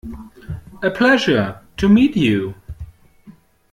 A pleasure to meet you.